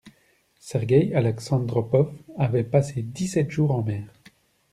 Sergeï Alexandropov avait passé dix-sept jours en mer.